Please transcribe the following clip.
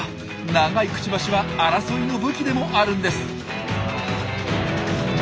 長いくちばしは争いの武器でもあるんです。